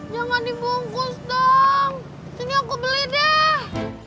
jangan dibungkus dong ini aku beli deh